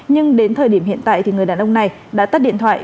nhưng đến thời điểm hiện tại thì người đàn ông này đã tắt điện thoại